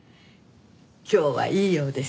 今日はいいようです。